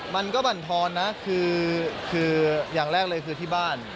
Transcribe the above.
มันก็บั่นทอนนะคืออย่างแรกเลยคือที่บ้าน